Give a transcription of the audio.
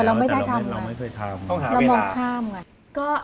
แต่เราไม่ได้ทำหรอต้องทำเวลาแล้วมองข้ามก่อน